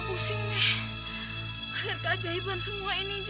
kalau kamu bohong